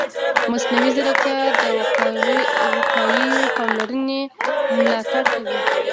مصنوعي ځیرکتیا د وقایوي پاملرنې ملاتړ کوي.